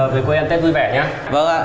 về quê em tết vui vẻ nhé